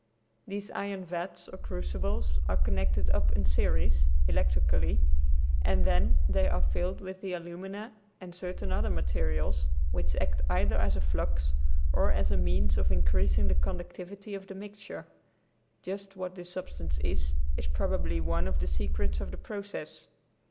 These iron vats or crucibles are connected up in series, electrically, and then they are filled with the alumina and certain other materials, which act either as a flux or as a means of increasing the conductivity of the mixture; just what this substance is, is probably one of the secrets of the process.